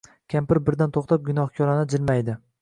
Kampir birdan toʼxtab, gunohkorona jilmaydi